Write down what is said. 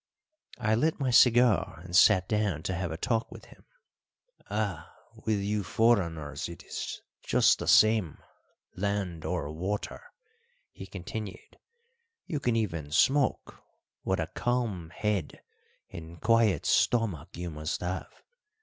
I lit my cigar and sat down to have a talk with him. "Ah, with you foreigners it is just the same land or water," he continued. "You can even smoke what a calm head and quiet stomach you must have!